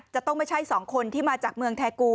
จะต้องไม่ใช่๒คนที่มาจากเมืองแทกู